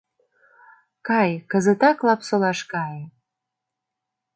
Кай, кызытак Лапсолаш кае.